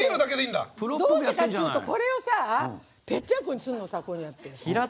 どうしてかっていうと、これをぺっちゃんこにするのさ。